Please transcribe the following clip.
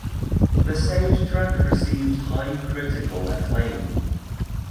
The soundtrack received high critical acclaim.